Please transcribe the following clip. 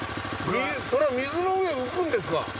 それは水の上浮くんですか？